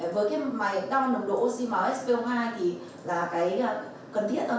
với cái mà đo nồng độ oxy máu spo hai thì là cái